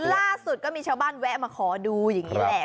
ล่าสุดก็มีชาวบ้านแวะมาขอดูอย่างนี้แหละ